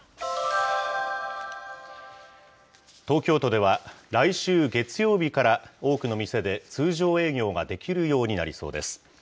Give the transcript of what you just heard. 東京都では、来週月曜日から、多くの店で通常営業ができるようになりそうです。